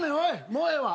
もうええわ。